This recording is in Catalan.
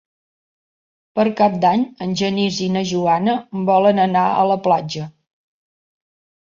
Per Cap d'Any en Genís i na Joana volen anar a la platja.